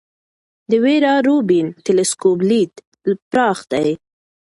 د ویرا روبین ټیلسکوپ لید پراخ دی.